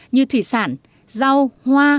như thủy sản rau hoa